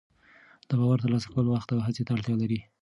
د باور ترلاسه کول وخت او هڅې ته اړتیا لري.